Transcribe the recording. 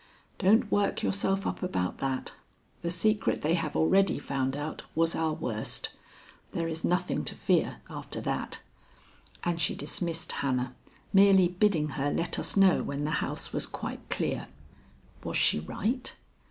Don't work yourself up about that. The secret they have already found out was our worst. There is nothing to fear after that." And she dismissed Hannah, merely bidding her let us know when the house was quite clear. Was she right?